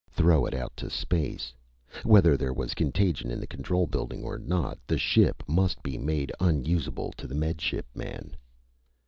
Throw it out to space! Whether there was contagion in the control building or not, the ship must be made unusable to the Med Ship man!